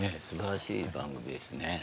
すばらしい番組ですね。